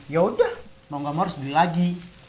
yaudah mau gak mau harus beli lagi